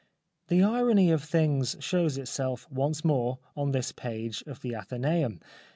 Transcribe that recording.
The irony of things shows itself once more on this page of the Athenceum.